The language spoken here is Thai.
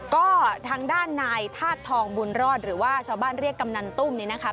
ก็ทางด้านนายธาตุทองบุญรอดหรือว่าชาวบ้านเรียกกำนันตุ้มนี่นะคะ